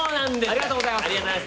ありがとうございます